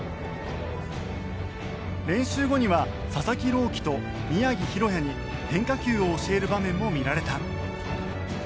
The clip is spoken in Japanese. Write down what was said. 練習後には佐々木朗希と宮城大弥に変化球を教える場面も見られた。